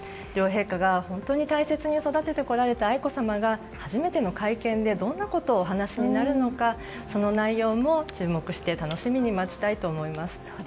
両陛下が本当に大切に育ててこられた愛子さまが初めての会見でどんなことをお話しになるのかその内容も注目して楽しみに待ちたいと思います。